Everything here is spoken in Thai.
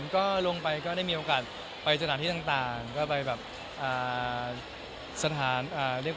ก็ลงไปได้โอกาสไปสถานที่ต่างต่าง